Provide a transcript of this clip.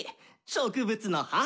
植物の母！